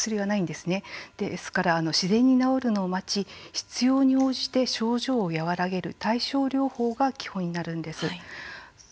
ですから、自然に治るのを待ち必要に応じて症状を和らげる対症療法が基本になるんです。